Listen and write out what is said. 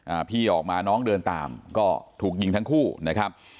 อ่าพี่ออกมาน้องเดินตามก็ถูกยิงทั้งคู่นะครับ